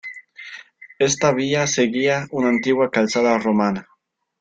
Esta vía seguía una antigua calzada romana.